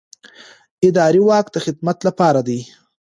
اداري واک د خدمت لپاره دی.